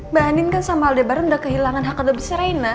mbak andin kan sama aldebaran udah kehilangan hak hak besar rena